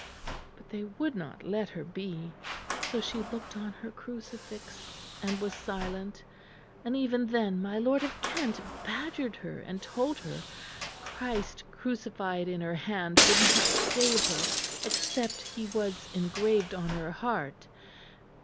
But they would not let her be; so she looked on her crucifix and was silent; and even then my lord of Kent badgered her and told her Christ crucified in her hand would not save her, except He was engraved on her heart.